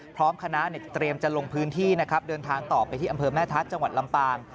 พร้อมคณะเตรียมจะลงพื้นที่นะครับเดินทางต่อไปที่อำเภอแม่ทัศน์จังหวัดลำปาง